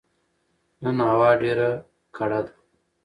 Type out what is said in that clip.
نن هوا ډيره کړه ده